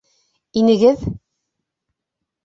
Инегеҙ.